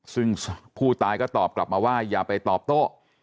ซึ่งผู้ตายก็ตอบกลับมาว่าอย่าไปตอบโต้